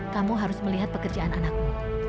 kamu harus melihat pekerjaan anakmu